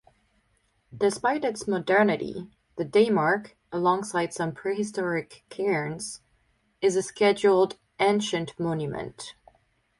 Despite its modernity, the daymark, alongside some prehistoric cairns, is a Scheduled Ancient Monument.